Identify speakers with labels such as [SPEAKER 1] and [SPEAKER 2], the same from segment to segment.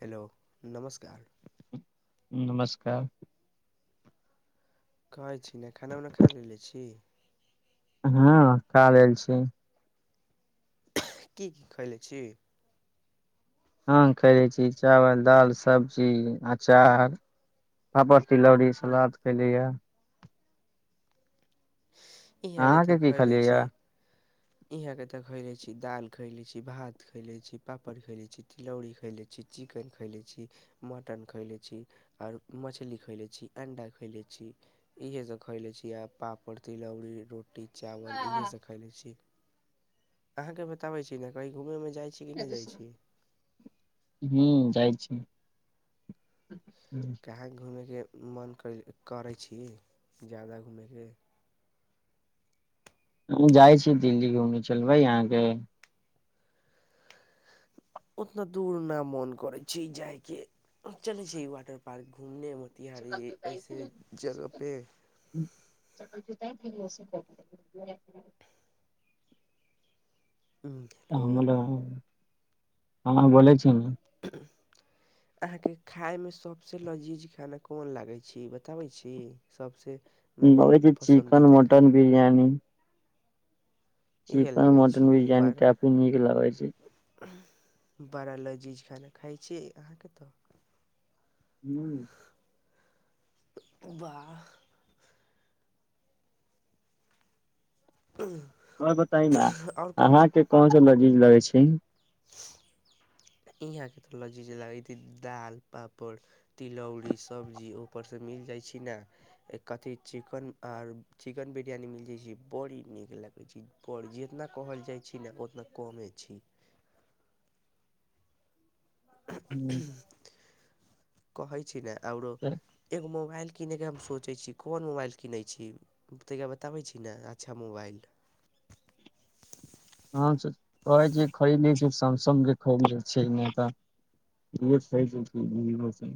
[SPEAKER 1] Hello नमस्कार
[SPEAKER 2] नमस्कार
[SPEAKER 1] खाय छी ने खाना उना खा लेलेे छी
[SPEAKER 2] हँ तब आयल छी
[SPEAKER 1] की की खैले छी
[SPEAKER 2] हँ खायै छी चावल दाल सब्जी अचार पापड़ तिलौरी सलाद खेलियै अहाँके की खलियै य
[SPEAKER 1] इहा केताे खायले छी दाल खयले छी भात खायले छी पापड़ खायले छी तिलौड़ी खायले छी चिकेन खैले छी मटन खैले छी आओर मछली खएलै छी अण्डा खुएल छी इहसभ खयले छी आ पापड़ तिलौरी रोटी चावल इएहसभ खयले छी अहाँ के बताबे छी ने कही घूमे मे जाय
[SPEAKER 2] ह्म जाइ छी
[SPEAKER 1] जाहाँ घूमैके मन कर करै छी जादा घूमैके
[SPEAKER 2] हम जाइ छी दिल्ली घूम चलबै अहाँके
[SPEAKER 1] [unintelligible] ओतन्य दूर न मन करे छै जाय के चले छै वाटर पार्क घूमने मे तिहारी अऐसे जगह पे
[SPEAKER 2] ल [unintelligible]
[SPEAKER 1] [inaudible] हम्म, हेलो
[SPEAKER 2] हँ बोलै छी ने
[SPEAKER 1] [unintelligible] आहाँके खायमे सभसँ लजीज खाना कोन लागै छै बताबै छी सभसँ
[SPEAKER 2] बनबै छी चिकन मटन बिरयानी
[SPEAKER 1] इहे
[SPEAKER 2] चिकन
[SPEAKER 1] लागै
[SPEAKER 2] मटन
[SPEAKER 1] छी
[SPEAKER 2] बिरयानी
[SPEAKER 1] बड़ा
[SPEAKER 2] काफी नीक लगै छै
[SPEAKER 1] बड़ा लजीज खाना खाइ छी अहाँके तऽ
[SPEAKER 2] हू
[SPEAKER 1] बाह ह [unintelligible]
[SPEAKER 2] ह बता न आहाँ के कोन से लजीज लगै छै
[SPEAKER 1] यहाँके त ली ल दाल पापड़ तिलौरी सब्जी उपर सँ मिल जाइ छी ना एक कथी चिकेन आर चिकेन बिरियानी मिल जा छै बड़ी नीक लगे छै पर जतना कहल जाइ छै ने ओतना कमे छि कहय छी ने आउरो एगो मोबाइल किनैके हम सोचै छी कोन मोबाइल किनै छि तहिया बताबैत छी ने अच्छा मोबाइल
[SPEAKER 2] हम कहै छी खरीदे छी सैमसंग खरीदे छै ने तऽ रहो स छै स [inaudible]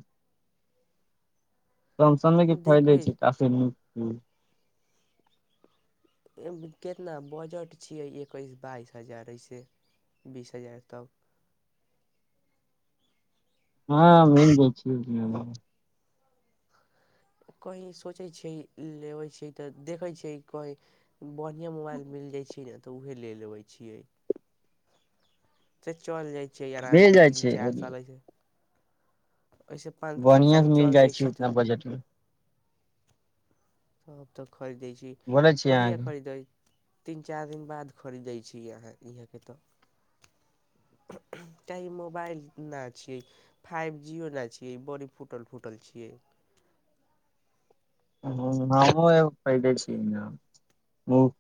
[SPEAKER 2] समसेग के फायदे
[SPEAKER 1] देखै
[SPEAKER 2] छै काफी नीक
[SPEAKER 1] केतना बजट छियै एकैस बाइस हजार अइसे बीस हजार तक
[SPEAKER 2] हँ मन बे [unintelligible]
[SPEAKER 1] कहीँ सोचै छियै लेबै छियै तऽ देखै छियै कहॅ बढ़िआँ मोबाइल मिल जाइ छै ने तऽ उह ले लेबै छिए से चल जाइ छियै
[SPEAKER 2] मिल
[SPEAKER 1] आरामसँ
[SPEAKER 2] जाइ
[SPEAKER 1] तीन
[SPEAKER 2] छै
[SPEAKER 1] चारि साल अइसे ओहिसँ पाँच छः
[SPEAKER 2] बढ़िया से
[SPEAKER 1] साल
[SPEAKER 2] मिल
[SPEAKER 1] चलि जाइ
[SPEAKER 2] छै
[SPEAKER 1] छी
[SPEAKER 2] उतना
[SPEAKER 1] तऽ नै
[SPEAKER 2] बजट मे
[SPEAKER 1] तब तऽ खरीदै छी
[SPEAKER 2] बोलै छी
[SPEAKER 1] कहिया
[SPEAKER 2] अहाँके
[SPEAKER 1] खरीदे तीन चारि दिन बाद खरीदै छी अहाँ इहाँके तऽ काही मोबाइल नहि छि फाइव जी नहि छियै ई बड़ी फूटल फूटल छिए
[SPEAKER 2] हमो एक खिदै छि [unintelligible]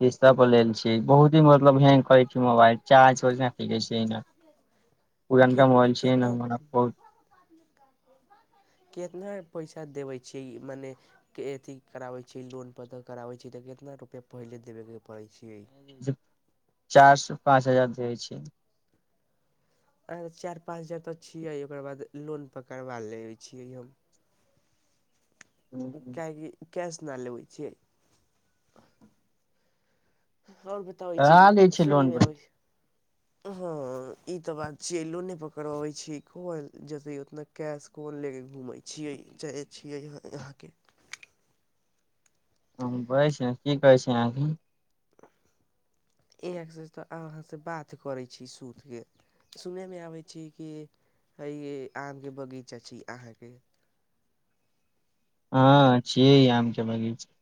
[SPEAKER 2] ओसा पर लेल छी बहुत ही मतलब हेंग करै छी मोबाइल चार् पुर मोबाइल
[SPEAKER 1] केत
[SPEAKER 2] छै [unintelligible]
[SPEAKER 1] कितना पैसा देबै छियै मनै के अथी कराबे छियै लोन प त करावे छियै तऽ कितना रुपया पहिले देबे के पड़े छै
[SPEAKER 2] चार से पाँच हजार देै छै
[SPEAKER 1] चारि पाँच हजार तऽ छियै ओकर बाद लोन पकड़बा लै छियै यौ
[SPEAKER 2] हूँ,
[SPEAKER 1] काहेकि कैश नहि लेबै छियै ओर बताबै छी
[SPEAKER 2] करा लै छै लोन
[SPEAKER 1] सुनेमे
[SPEAKER 2] पर
[SPEAKER 1] अबै ह ई तऽ बात छियै लोने पर करबाबे छै कहल जते उतना कैश कोन लेके घुमै छियै जाइ छियै यहाँके
[SPEAKER 2] ह बै छै की कहै छै अहाँके
[SPEAKER 1] एक्स तऽ अहाँसँ बात करैत छी सुतके सुनयमे आबैत छी कि है ये आम के बगीचा छै अहाँके
[SPEAKER 2] हँ छियै आम के बगीचा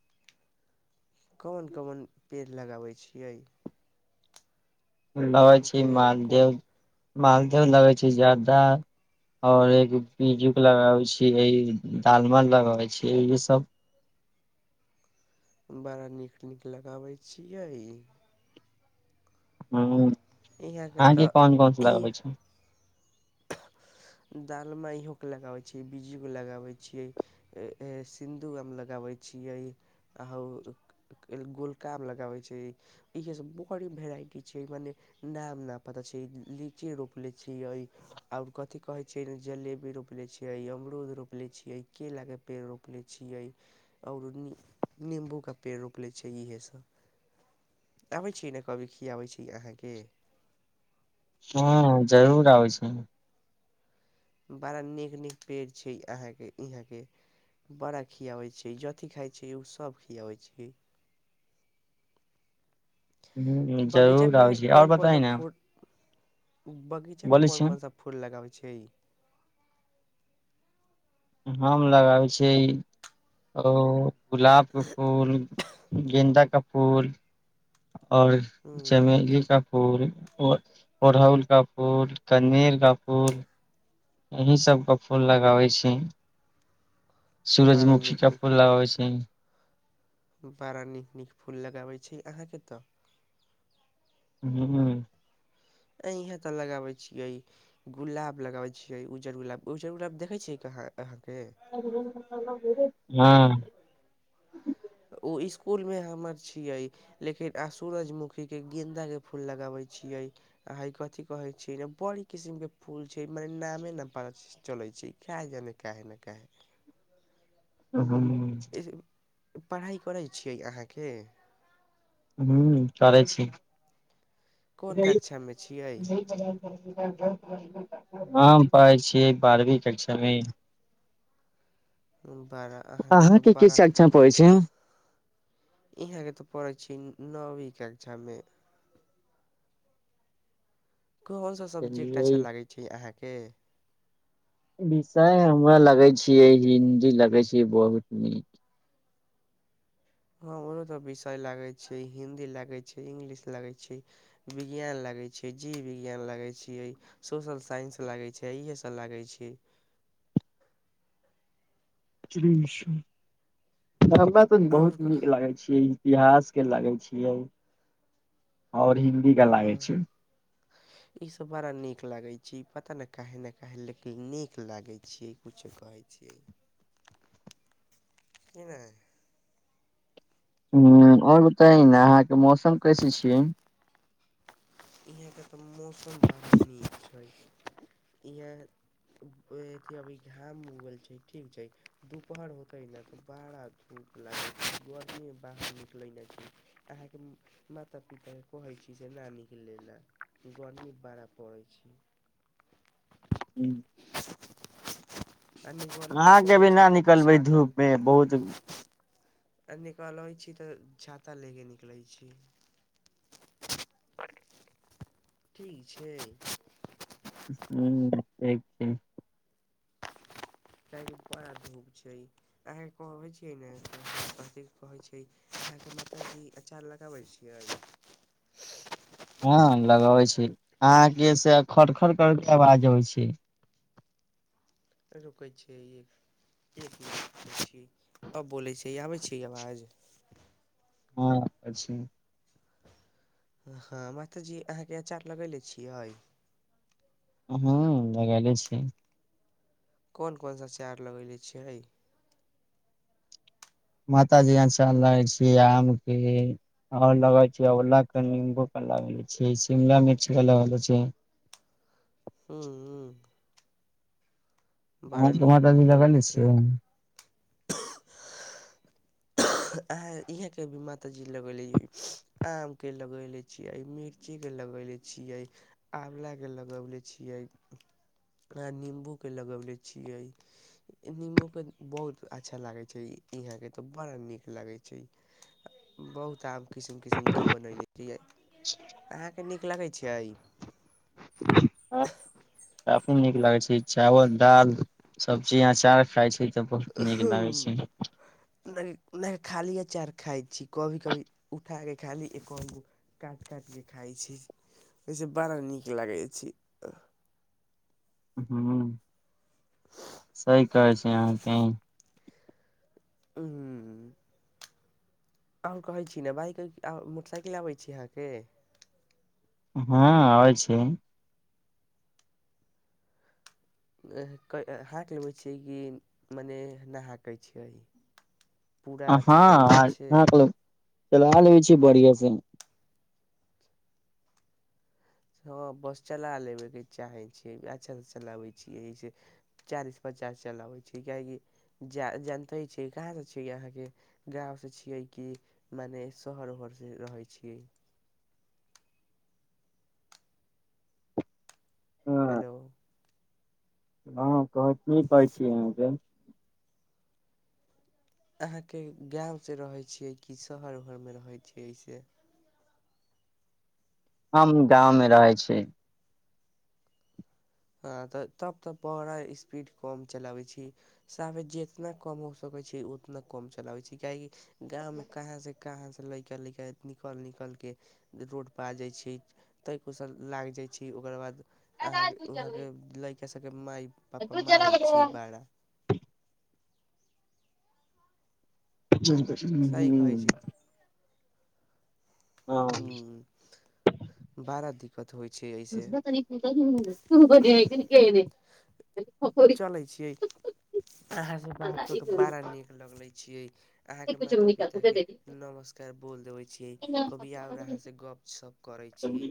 [SPEAKER 1] कोन कोन पेड़ लगाबैत छियै
[SPEAKER 2] लगै छी
[SPEAKER 1] आमके
[SPEAKER 2] मालदेव
[SPEAKER 1] कोन
[SPEAKER 2] मालदेव लगै छी जारदा और एकजजू लगाब छी दालमल लगाबै छी य सब [unintelligible]
[SPEAKER 1] बड़ा नीक नीक लगाबैत छियै
[SPEAKER 2] ह
[SPEAKER 1] यहाँके
[SPEAKER 2] अहाँके कोन कोनस
[SPEAKER 1] तऽ
[SPEAKER 2] लगाबै छै
[SPEAKER 1] दालिमे इओके लगाबै छियै बीजीके लगाबै छियै सिन्दू आम लगाबै छियै आ ह गोलकामे लगाबै छै इह सब बड़ी भेरइट छै मने नाम न पता छै लीची रोपले छियै आओर क की कहै छियै रे जलेबी रोपले छियै अमरूद रोपले छियै केलाके पेड़ रोपले छियै आओर निम्बू के पेड़ रोपले‌ छै इहे सब आबै छी ने कभी खियाबै छी अहाँके
[SPEAKER 2] हूं हू जरूर आबै छी
[SPEAKER 1] बाड़ा नीक नीक पेड़ छै अहाँके यहाँके बड़ा खियाबै छै जथी खाइ छै ओ सब खियाबै छै
[SPEAKER 2] ह
[SPEAKER 1] बगीचा
[SPEAKER 2] जरूर आबै
[SPEAKER 1] में
[SPEAKER 2] छै आओर
[SPEAKER 1] कोन कोन सा
[SPEAKER 2] बताइ ने
[SPEAKER 1] फूल बगीचामे
[SPEAKER 2] बोलै
[SPEAKER 1] कोन
[SPEAKER 2] छी
[SPEAKER 1] कोन सब फूल लगाबै छियै
[SPEAKER 2] हम लगाबै छीयै अरहुल गुलाब के फूल गेन्दा का फूल आओर
[SPEAKER 1] हूँ
[SPEAKER 2] चमेली का फूल ओर ओड़हुल का फूल कनेर का फूल यहीं सबके फूल लगाबै छी
[SPEAKER 1] बड़ा
[SPEAKER 2] सूरजमुखी
[SPEAKER 1] नीक
[SPEAKER 2] का
[SPEAKER 1] नीक
[SPEAKER 2] फूल लगावय छी
[SPEAKER 1] बड़ा नीक नीक फूल लगाबैत छी अहाँके तऽ
[SPEAKER 2] हूं हूं
[SPEAKER 1] अइहें तऽ लगाबै छियै गुलाब लगाबै छियै उज्जर गुलाब उज्जर गुलाब देखै छियै कहाँ अहाँके
[SPEAKER 2] हँ
[SPEAKER 1] ओ स्कूल मे हमर छियै लेकिन आ सूरजमुखीके गेन्दाके फूल लगाबैत छियै आइ कथि कहै छै रे बड़ किसिम के फूल छै मने नामे नै पत्ता छै चलै छी खै गेलै काहे ने काहे
[SPEAKER 2] हूं
[SPEAKER 1] पढ़ाइ करैत छियै अहाँके
[SPEAKER 2] हूं करै छी
[SPEAKER 1] कोन
[SPEAKER 2] [unintelligible]
[SPEAKER 1] कक्षामे छियै
[SPEAKER 2] हम पढ़य छियै बारहवीं कक्षा में
[SPEAKER 1] बारह अहाँके तऽ
[SPEAKER 2] आहाँके कि
[SPEAKER 1] बारह
[SPEAKER 2] कक्षा मे [unintelligible] पढ़ै छै
[SPEAKER 1] इहाँके तऽ पढ़ै छी नोमी कक्षामे कोन सा सब्जेक्ट अच्छा
[SPEAKER 2] चलिये
[SPEAKER 1] लागै छै आहाँके
[SPEAKER 2] विषय हमरा लगे छियै हिन्दी लगे छै बहुत नीक
[SPEAKER 1] हँ ओकरो त विषय लागैत छै हिन्दी लागैत छै इंग्लिश लागैत छै विज्ञान लगै छियै जीव विज्ञान लगै छियै सोशल साइंस लागैत छै इएहसभ लागैत छै
[SPEAKER 2] [unintelligible] हमरा तऽ बहुत
[SPEAKER 1] आओर कह-
[SPEAKER 2] नीक लागे छै इतिहास के लागै छियै और के लागे
[SPEAKER 1] हँ
[SPEAKER 2] छै
[SPEAKER 1] इ सब बड़ा निक लागै छी पता ने काहे ने के लेकिन नीक लागे छी कुछो कहे क नहि [inaudible]
[SPEAKER 2] ह आओर बताय ने अहाँके मौसम कैसे छियै
[SPEAKER 1] इहेंके तऽ मौसम बड़ा नीक छै इहें अथि अभी घाम उग गेल छै ठीक छै दुपहर होते न तऽ बारा [unintelligible] छैर बाहर निकलै छै अहाँके माता पिता के कहैत छी जे नानी ले ला गर्मी बड़ाऽ पड़ै छै
[SPEAKER 2] हू
[SPEAKER 1] कनी गलपो
[SPEAKER 2] अहाँके
[SPEAKER 1] करै
[SPEAKER 2] भी
[SPEAKER 1] छी
[SPEAKER 2] न
[SPEAKER 1] तऽ
[SPEAKER 2] निकलबै
[SPEAKER 1] छाता
[SPEAKER 2] धूप मे बहुत
[SPEAKER 1] आ निकलैत छी तऽ छाता लऽ कऽ निकलैत छी ठीक छै
[SPEAKER 2] हू ठ छै
[SPEAKER 1] काहेकि बड़ा धूप छै अहाँके कहबै छियै ने कथि कहै छै अहाँके मतलब कि अचार लगाबैत छियै
[SPEAKER 2] हँ लगबै छी अहाँ के से खर खर कर के आवाज अबै छै
[SPEAKER 1] रुकै छिय एक अब बोलै छी आबै छी आवाज
[SPEAKER 2] हँ आबै छै
[SPEAKER 1] हँ मास्तरजी अहाँके अचार लगैले छियै
[SPEAKER 2] हँ लगले छै
[SPEAKER 1] कोन कोन सा अचार लगैले छियै
[SPEAKER 2] माता जी अचार लगै छी आम के आ लग छै ओला के निम्बू क लगे छी शिमला मिर्च के लगे छै
[SPEAKER 1] हू हू
[SPEAKER 2] अहा के
[SPEAKER 1] नीक
[SPEAKER 2] माता
[SPEAKER 1] नीक
[SPEAKER 2] जी
[SPEAKER 1] लगैले
[SPEAKER 2] लगौने
[SPEAKER 1] छै
[SPEAKER 2] छियै
[SPEAKER 1] आ इहे के भी माताजी लगेले आम के लगेले छीे मिर्च कच्चीके लगौने छियै आँवलाके लगौने छियै निम्बूके लगौले छियै नींबू क बहुत अच्छा लागे छै इ यहां के तो बड़ा नीक लगै छै बहुत आम किसिम किसिमके बनैले छीयै
[SPEAKER 2] अ
[SPEAKER 1] अहाँके नीक लगैत छै
[SPEAKER 2] हँ अपनो नीक लागे छै चावल दाल सबजी अचार खाय छै बहुत नीक लागै छै
[SPEAKER 1] नहि नहि खाली अचार खाइ छी कभी कभी उठा कऽ खाली एक गो काटि काटि कऽ खाइत छी ओहिसँ बड़ा नीक लागै छी
[SPEAKER 2] हूं सही कहै छै अहाँकी
[SPEAKER 1] ह आओर कहैत छी ने बाइक मोटरसाइकिल आबैत छी अहाँके
[SPEAKER 2] हँ आबै छी
[SPEAKER 1] हाँकि लेबै छियै कि मने नहा कहै छियै पूरा अच्छा तरीका
[SPEAKER 2] हँ
[SPEAKER 1] से
[SPEAKER 2] कह चला लेै छी बढ़िआ से
[SPEAKER 1] हँ बस चला लेबयके चाहै छियै अच्छासँ चलाबै छियै एहिस चालीस पचास चलाबै छै कियकि जा जानते छियै कहाँसँ छिय अहाँके गाँंव से छियै कि मने शहर ओहर से रहे छीयै
[SPEAKER 2] हँ
[SPEAKER 1] हेलो
[SPEAKER 2] हँ कह कहै छी अहाँके
[SPEAKER 1] अहाँके गाँवसँ रहै छियै कि शहर उहर मे रहैत छियै एहि से
[SPEAKER 2] हम गाँव मे रहै छी
[SPEAKER 1] हँ तऽ तब तऽ बड़ा स्पीड कम चलाबैत छी साव जितना कम हो सकैत छै उतना कम चलाबै छै काहेकि गाँव मे कहाँ से कहाँसँ लड़का लैका निकल निकल के रोडपर आ जाइ छी ताहि कुशल लागि जाइ छी ओकर बाद अहाँ के उहां के लड़का सब के मााय पापा मारे छै बार
[SPEAKER 2] ह
[SPEAKER 1] सही कहै छी
[SPEAKER 2] [inaudible]
[SPEAKER 1] ह बड़ा दिक्कत होइ छै एहिसँ
[SPEAKER 2] त बइ क ख दे [inaudible]
[SPEAKER 1] चलै छियै अहाँस बात क के बड़ा नीक लगलै छियै अहाँके माता पिताके नमस्कार बोल देबै छियै कभी आओर अहाँसँ गपशप
[SPEAKER 2] ठीक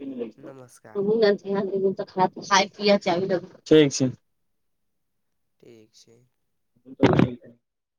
[SPEAKER 2] छै
[SPEAKER 1] ठीक छै।
[SPEAKER 2] ब [unintelligible]